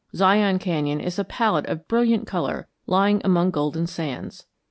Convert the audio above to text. Zion Canyon is a palette of brilliant color lying among golden sands.